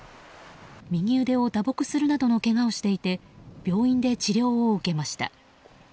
右腕を打撲するなどのけがをしていて病院で治療を受けました。